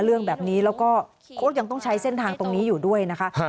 เรื่องแบบนี้แล้วก็โค้ดยังต้องใช้เส้นทางตรงนี้อยู่ด้วยนะคะ